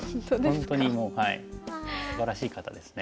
本当にもうすばらしい方ですね。